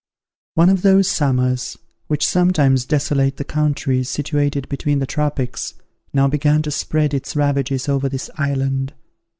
One of those summers, which sometimes desolate the countries situated between the tropics, now began to spread its ravages over this island.